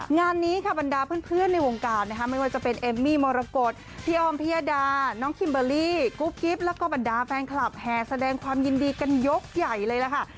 งานนี้ค่ะบรรดาเพื่อนในวงการนะคะไม่ว่าจะเป็นเอมมี่มรกฏพี่ออมพิยดาน้องคิมเบอร์รี่กุ๊บกิ๊บแล้วก็บรรดาแฟนคลับแห่แสดงความยินดีกันยกใหญ่เลยล่ะค่ะ